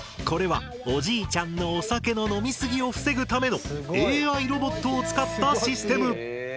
これはおじいちゃんのお酒の飲みすぎを防ぐためのＡＩロボットを使ったシステム。